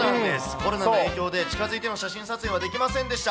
コロナの影響で近づいての写真撮影はできませんでした。